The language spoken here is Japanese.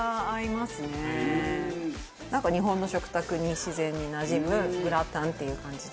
「なんか日本の食卓に自然になじむグラタンっていう感じで」